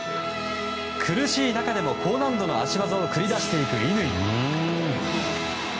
苦しい中でも高難度の脚技を繰り出していく乾。